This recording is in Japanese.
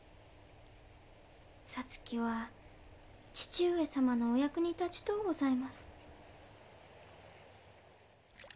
皐月は義父上様のお役に立ちとうございます。